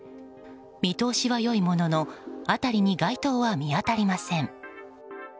見通しは良いものの辺りに街灯は見当たりません。